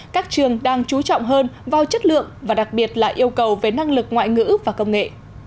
các trường đang chú trọng hơn vào chất lượng và đặc biệt là yêu cầu về năng lực ngoại ngữ và công nghệ